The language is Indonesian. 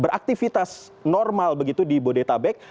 beraktivitas normal begitu di bodetabek